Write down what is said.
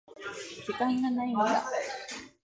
時間がないんだ。